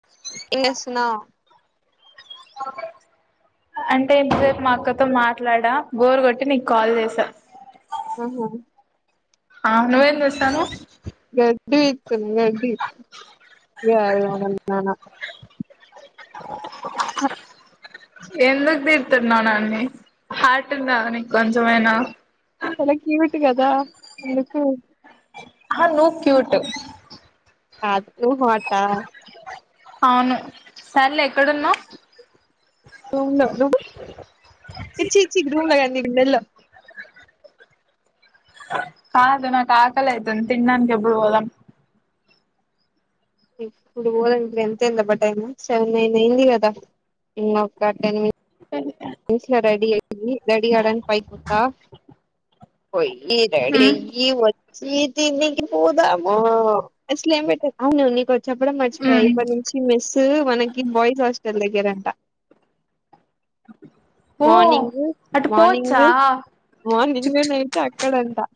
[unintelligible] Okay అంటే ఏంసేపు మా అక్కతో మా మాట్లాడా బోరు కొట్టి నీకు కాల్ చేస ఆహా ఆ నువ్వేం చేస్తనావ్ గది [unintelligible] ఎందుకు తీర్తున్నావునన్ని హార్ట్ ఉందా నీకు కొంచెమైనా చల కీవిట్టు కదా అందు అ అ ను క్యూట్ [unintelligible] అవును సర్లే ఎక్కడున్నావ్ [unintelligible] ఇన్నలో కాదు నాకి ఆకులైతుంది తినడానికి ఎప్పుడూ పోదాం ఇప్పుడు పోదం ఎంత అయి దబ్బ టైమ్ సెవెన్ నైన్ అయింది కదా ఇం ఒక టెన్ మి ఉమ్ ఉమ్ [unintelligible] ఓ మార్నింగు అటు మార్నింగ్ పోవచ్చా మార్నింగ్ నైట్ [unintelligible]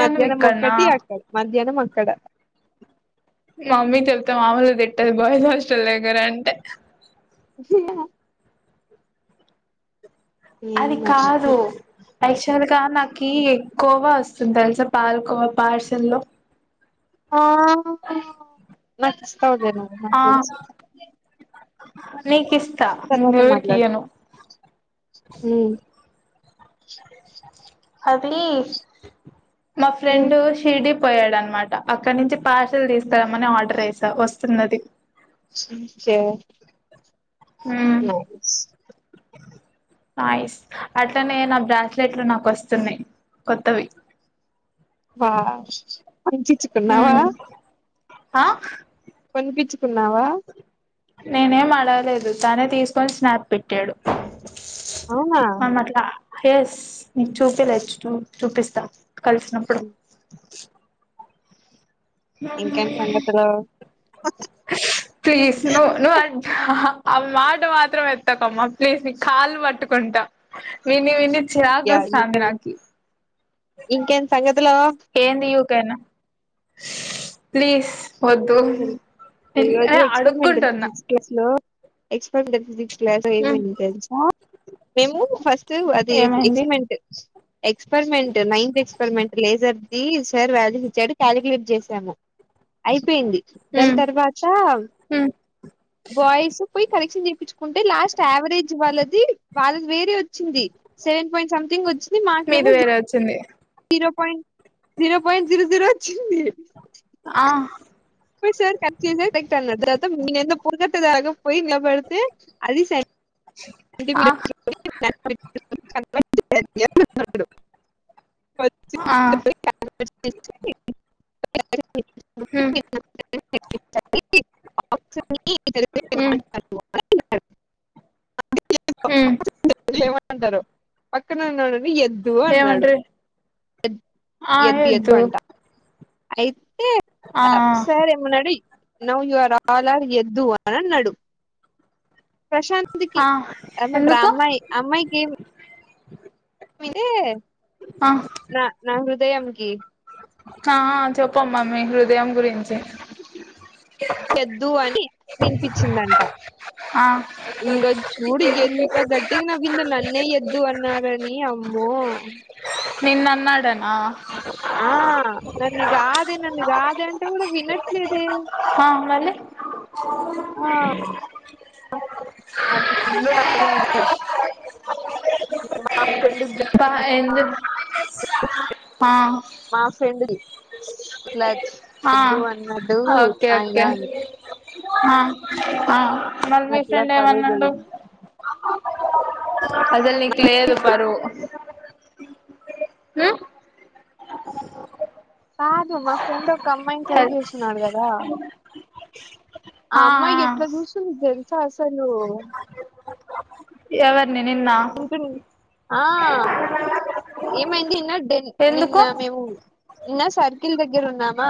మధ్యాహ్నం ఒక్కటి అక్కడ మధ్యాహ్నం ఆ క్కడ మమ్మీ తె మాములుగ తిట్టదు బాయ్స్ హస్టల్ లే దగ్గర అంటే ఏమో అది మరి కాదు యాక్చువల్ గా నాకు ఎక్కువగా వస్తుంది తెలుసా పాల్కోవా పార్సల్లో నాకు ఇస్తావ్ ఆ [unintelligible] నీకి ఇస్తా ఎవరికి మాట్లాడదాం ఇయాను చె ఆది మా ఉమ్ ఫ్రెండ్ షిరిడీ పోయాడనమాట అక్కడ నుంచి పార్సిల్ తీసుకురమ్మని ఆర్డర్ వేస వస్తుంది ఆది [unintelligible] మ్మ్ యో నైస్ అట్లనే నా బ్రాస్లేట్లు నాకు వస్తున్నాయి కొత్తవి వా పంచించుకున్నావా మ్మ్ ఆ కొనిపిచ్చు తిన్నావా నేనేం అడగలేదు తనే తీసుకొని స్నాప్ పెట్టాడు అవునా ఆ మట్లా ఎస్ నీకు చూపలే చూ చూపిస్తా కలిసినప్పుడు ఇంకేం సంగతులు ప్లీస్ నో నో ఆ ఆ మాట మాత్రం ఎత్తకమ్మా ప్లీజ్ నీ కాళ్ళు పట్టుకుంటా విని విని షాక్ యా ఇస్తంది నాకి ఇంకేం సంగతులు ఒకేనా ప్లీజ్ వద్దు ఈరోజు ఎక్స్పెరిమెంట్ అడుక్కుంటున్నా వుంది [unintelligible] ఎక్స్ [unintelligible] క్లాస్ అయిపోయింది తెలుసా మేము ఫస్ట్ అది ఏమైంది ఎక్స్మెంట్ ఎక్స్పెరిమెంట్ నైన్త్ ఎక్స్పెరిమెంట్ లేజర్ ఇది సార్ వాల్యూస్ ఇచ్చాడు క్యాలుక్లేట్ చేసాము అయిపోయింది దాని ఉమ్ తర్వాత ఉమ్ బాయ్స్ పోయి కరెక్షన్ చేపించుకుంటే లాస్ట్ యావరేజ్ వాళ్ళది వాళ్ళది వేరే వచ్చింది సెవెన్ పాయింట్ సంథింగ్ వచ్చి మీది వేరే వచ్చింది zero point zero point zero zero అచ్చింది ఆ అప్పుడు సార్ కట్ చేసే రైట్ అన్నాడు తర్వాత మీకెంత పోల్ గర్ పోయి ఇన్లా పెడితే అది సైన్ ఇది ఆ గూడ [unintelligible] ఎట్ ఎట్లున్నాడు ఆ [unintelligible] ఉమ్ [unintelligible] [unintelligible] ఉమ్ [inaudible] [inaudible] హు ఎమన్నరో పక్కనున్నోల్లను ఎద్దు అన్నాడు ఏమంటారు ఎద్దు ఎద్దు అంట అయిదు ఏ ఆ త సరే మున్నడి నౌ యూఆర్ ఆల్ ఆర్ ఎద్దు అని అన్నడు ప్రశాంతి కి ఆ ఏమంటరు ఎందుకు అమ్మాయి అమ్మాయికి మిందే ఆ నా నాహృద్ ఉదయంకి ఆహా చెప్పమ్మ మీ హృదయం గురించి తెద్దువ్ అని వినిపించిందంటా ఆ ఇంగా చూడు ఎంత గట్టిగా నవ్వింది నన్నే ఎద్దు అన్నారని అమ్మో నిన్ను అన్నాడనా ఆ నన్ను కాదే నన్ను కాదే అంటే కూడా వినట్లేదే ఆ మళ్ళీ ఆ ఇంకా ఫుల్ నవ్వింది సెండు మా ఫ్రెండ్ ది [inaudible] ఇట్లా ఆ వద్దు అన్నట్టు ఓకే ఆయన ఓకే ఆ ఆ మరి మీ అట్లా ఫ్రెండ్ ఏం పరువు అన్నాడు పోయింది అదే నీకు లేదు పరువు ఉమ్ కాదు మా ఫ్రెండ్ ఒక అమ్మాయిని ట్రై చేస్తున్నాడు కదా ఆ అమ్మాయి ఎట్లా చూస్తుంది తేల్ సలు ఎవరి నేనీన్న ఇంకా ఆ... ఏమైంది నిన్న నిన్న ఎందుకు మేము నిన్న సర్కిల్ దగ్గర ఉన్నామా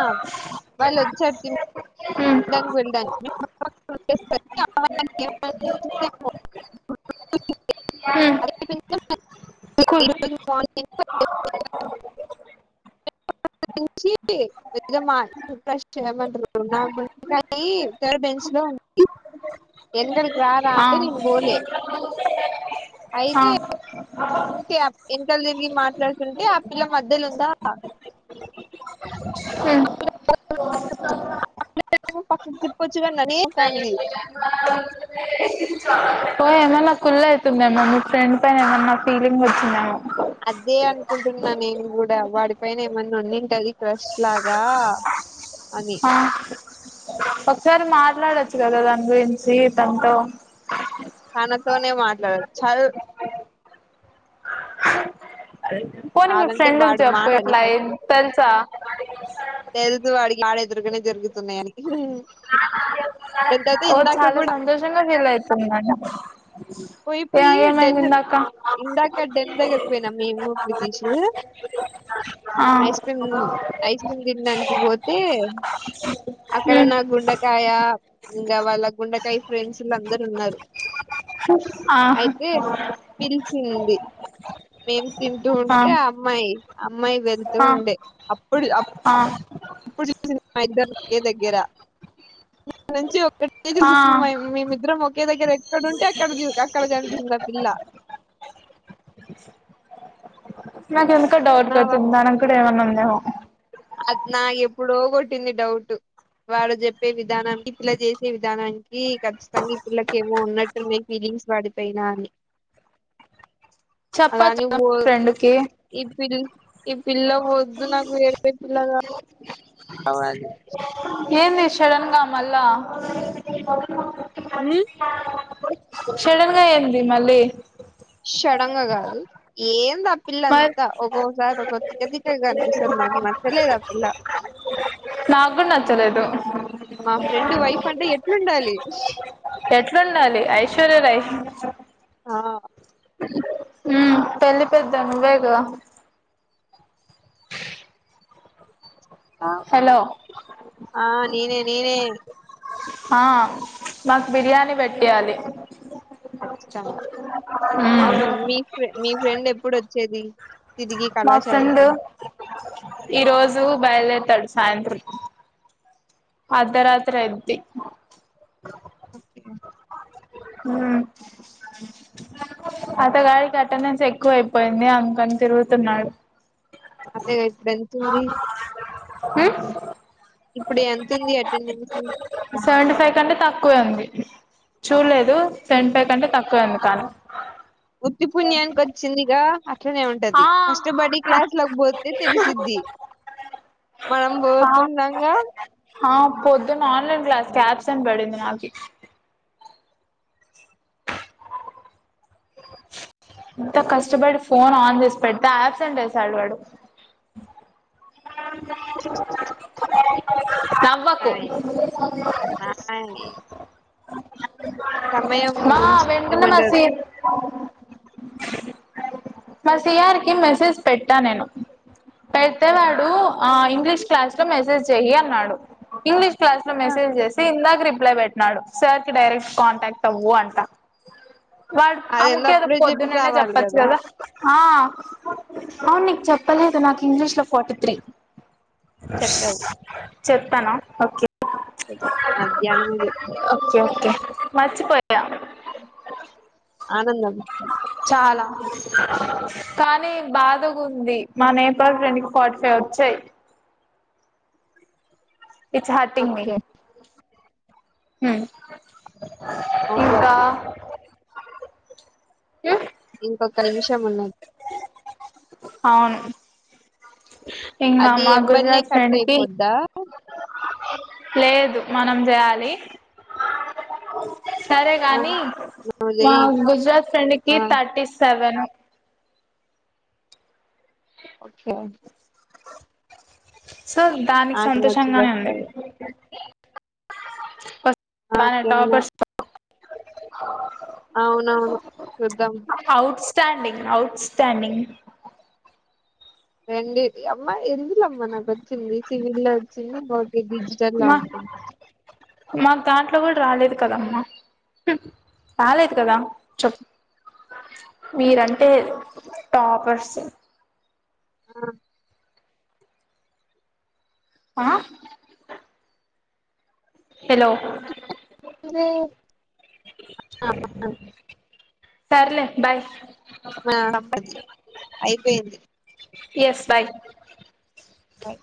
వాళ్ళు వచ్చరు తిని ఉమ్ డానికి ఉమ్ కుల్ వెరె చేయమంటరు నాకు గు కానీ థర్డ్ బెంచ్లో ఉన్ [unintelligible] ఆ అ ఓకే ఎనకాల తిరిగి మాట్లాడుతుంటే ఆ పిల్ల మధ్యలో ఉందా ఉమ్ [inaudible] పక్కకు తిప్పొచ్చు క ననే కాంది కుళ్లు అవుతుందేమో మీ ఫ్రెండ్ పైన ఏమన్నా ఫీలింగ్ వచ్చిందేమో అదే ఆన్ కుంటున్నా నేను కూడా వాడి పైన ఏమన్నా వున్నింటది క్రష్ లాగా అని ఆహ్ ఒకసారి మాట్లాడొచ్చు కదా దాని గురించి తనతో తనతోనే మాట్లాడు చల్ పోనీ మీ కాదంటే ఫ్రెండ్ కి వాడు చెప్పు మాటని ఇట్లా ఫస్ట్ అయింది తెల్సా తెలుసు వాడికి వాడు ఎదురుగానే జరుగుతున్నాయని ఇహ్ హ్ ఓహ్ చాలా సంతోషంగా ఫీల్ అయితున్నాడు పోయి ఏ పోయి ఏమైంది డెన్ ఇందాక [unintelligible] [unintelligible] ఆహ్ తిండానికి పోతే అక్కడ ఉమ్ నా గుండె కాయ, ఇంకా వాళ్ళ గుండకాయ ఫ్రెండ్స్లు అందరున్నారు. ఆహ్ సింది మేం తింటూ ఆ ఉంటే అమ్మాయి అమ్మాయి వెళ్తూ ఆ ఉండె. అప్పుడు అప్ ఆ ఇప్పుడు చూసింది మా ఇద్దర్ని ఒకే దగ్గరా. [unintelligible] నుంచి ఒకటే ఆ చూస్తుంది మయం మేం ఇద్దరం ఒకే దగ్గర ఎక్కడుంటే అక్కడ జు అక్కడ కనిపిస్తది. ఆ పిల్ల నాకు ఎందుకో డౌట్ కొడ్తుంది మనం కూడా ఏమన్నా ఉన్ ఏమో అద్ నా ఎప్పుడో కొట్టింది డౌటు. వాడు చెప్పే విధానానికి, ఈ పిల్ల చేసే విధానానికి, ఖచ్చితంగా ఈ పిల్లకి ఏమో ఉన్నట్టున్నాయి ఫీలింగ్స్ వాడి పైన అని. అలా చెప్పచ్చు అని కదా వో, మీ ఫ్రెండ్ కి ఈ పిల్, ఈ పిల్ల వొద్దు నాకు. వేరే ఇలగా అవ్వది. ఏంది షడన్గా మళ్ళా? మ్ షడన్ గా ఏంది మళ్ళీ? షడంగా కాదు ఏంద పిల్ల మరి అంతా ఒక్కోసారి ఒక్కో తిక్కతిక్కగా అనిపిస్తది. నాకు నచ్చలేదు. ఆ పిల్ల నాక్ కూడ నచ్చలేదు. మా ఫ్రెండ్ వైఫ్ అంటే ఎట్లుండాలి? ఎట్లుండాలి? ఐశ్వర్య రై ఆ మ్మ్ పెళ్లి పెద్ద నువ్వే గా ఆ! ఆ నేనె. నేనె ఆ మాకు బిర్యానీ పెట్టియాలి. కచ్చితంగా మ్ మీ ఫ్రెండ్ ఎప్పుడొచ్చేది? మా ఫ్రెండ్! ఈ రోజు బయల్దేర్ తడు సాయంత్రం. అర్ధరాత్రి అయిద్ది. క ఊ అతగాడికి అటెండెన్స్ ఎక్కువ అయిపోయింది అందుకని తిరుగుతున్నాడు అదే ఎప్పుడన్ తూవి ఊ ఇప్పుడు ఎంతుంది అటెండెన్స్ సెవెన్టీ ఫైవ్ కంటే తక్కువే ఉంది చూడలేదు దు సెవన్టీ ఫైవ్ కంటే తక్కువే [inaudible] తాను వుత్తి పుణ్యానికి వచ్చిందిగా అట్లనే ఉంటది ఆ ఫస్ట్ బడ్డీ క్లాస్ లోకి పోతే తెలిసిద్ది మనం పోతున్నాం గా ఆ పొద్దున్న ఆన్లైన్ క్లాస్ కి ఆబ్సెంట్ పడింది నాకి ఇంత కష్టపడి ఫోన్ ఆన్ చేసి పెడితే ఆబ్సెంట్ ఏసాడు వాడు నవ్వకు నాయి నాయి అ సమయం ముంచ్ ఏమంటారు మా సి ఆర్ కి మెసేజ్ పెట్టా నేను పెడితే వాడు ఆ ఇంగ్లీష్ క్లాస్ లో మెసేజ్ చెయ్యి అన్నాడు ఇంగ్లీష్ క్లాస్ లో ఆ! మెసేజ్ చేసి ఇందాక రిప్ ప్లై పెట్టినాడు సార్ కి డైరెక్ట్ కాంటాక్ట్ అవ్వు అంట వాడు ఆ అదేందో ముక్కేదో అప్పుడే చెప్పి పొద్దునేనే సావాలి చెప్పచ్చు కదా ఆ అవును నీకు చెప్పలేదు నాకు ఇంగ్లీష్ లో ఫార్టీ త్రీ చెప్తానా ఓకే మధ్యానమే చెప్పావు ఓకే ఓకే మర్చిపోయా ఆనందం చాలా కానీ బాధ గుంది మా నేపాల్ ఫ్రెండ్ కి ఫార్టీ ఫైవ్ వచ్చాయి it's hurting me okay um no problem ఏ ఇంకొక నిమిషం ఉన్నది అవును ఇంకా అది మా ఎంబన్నే గుజరాత్ ఫ్రెండ్ కట్అయి కి పోద్దా లేదు మనం చేయాలి సరే ఆ గాని నువ్వు మా చెయ్ గుజరాత్ ఫ్రెండ్ కి ఆ థర్టీ సెవెను ఓకే సో దానికి నాకేమొచ్చి సంతోషంగానే ఉంది చస్తాయో వ మన నాకేమో టాపర్స్ అ అవునవును చూద్దాం స్టాడింగ్ ఔట్ స్టాడింగ్ రెండేది అవ్వ ఎందులో అవ్వ నాకి వచ్చింది సివిల్ లో వచ్చింది భవ్య డిజిటల్ లో అనుకుంటా అంత కూడా రాలేదు కదమ్మా రాలేదు కదా చెప్పు మీరంటే టాపర్స్ అ ఆ హలో అరె ఆ సర్లే బాయ్ మా అబ్బది అయిపోయింది యస్ బాయ్ బాయ్